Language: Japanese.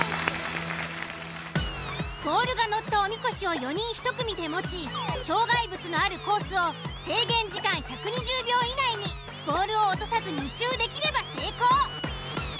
ボールが載ったおみこしを４人１組で持ち障害物のあるコースを制限時間１２０秒以内にボールを落とさず２周できれば成功。